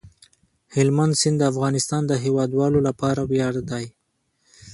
هلمند سیند د افغانستان د هیوادوالو لپاره ویاړ دی.